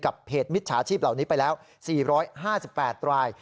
เพจมิจฉาชีพเหล่านี้ไปแล้ว๔๕๘ราย